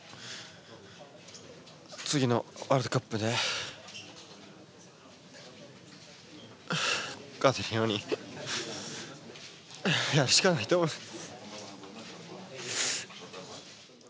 次のワールドカップで勝てるようにやるしかないと思います。